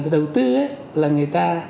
đầu tư là người ta